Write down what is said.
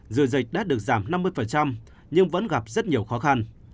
rửa dịch đã được giảm năm mươi nhưng vẫn gặp rất nhiều khó khăn